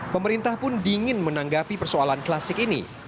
pemerintah pun dingin menanggapi persoalan klasik ini